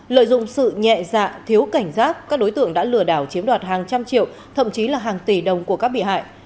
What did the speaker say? lợi dụng sự nhẹ dạ thiếu cảnh giác các đối tượng đã lừa đảo chiếm đoạt hàng trăm triệu thậm chí là hàng tỷ đồng của các bị hại